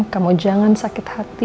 kamu jangan sakit hati